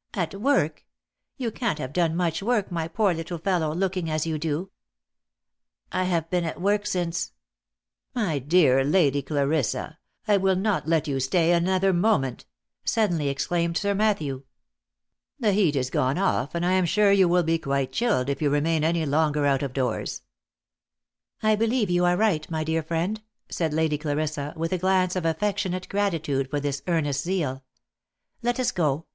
" At work ! You can't have done much work, my poor little fellow, looking as you do." " I have been at work since" —" My "ear Lady Clarissa, I really will not let you stay another moment," suddenly exclaimed Sir Matthew. '« The heat is gone OF MICHAEL ARMSTRONG. 21 off, and I am sure you will be quite chilled if you remain any longer out. of doors." " I believe you are right, my dear friend," said Lady Clarissa, with a glance of affectionate gratitude for this earnest zeal. " Let us go.